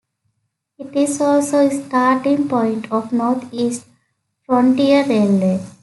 It is also starting point of North East Frontier Railway.